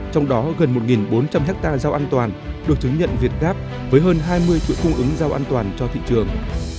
trong đó gần một bốn trăm linh hectare rau an toàn được chứng nhận việt gáp với hơn hai mươi chuỗi cung ứng rau an toàn cho thị trường